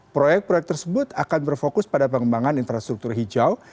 proyek proyek tersebut akan berfokus pada pengembangan infrastruktur hijau